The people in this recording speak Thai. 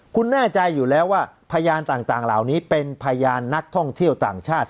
คุณแน่ใจอยู่แล้วว่าพยานต่างเหล่านี้เป็นพยานนักท่องเที่ยวต่างชาติ